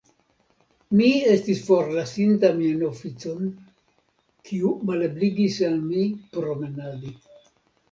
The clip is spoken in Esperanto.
Mi estis forlasinta mian oficon, kiu malebligis al mi promenadi.